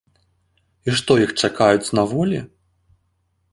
І што іх чакаюць на волі.